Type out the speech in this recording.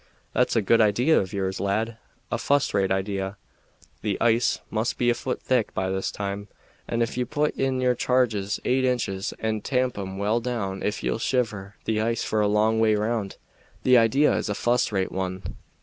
"That's a good idea of yours, lad. A fust rate idea. The ice must be a foot thick by this time, and ef you put in your charges eight inches and tamp 'em well down you'll shiver the ice for a long way round. The idea is a fust rate one."